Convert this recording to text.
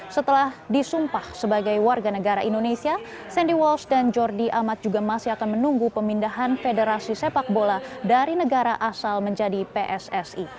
setelah disumpah sebagai warga negara indonesia sandy walsh dan jordi amat juga masih akan menunggu pemindahan federasi sepak bola dari negara asal menjadi pssi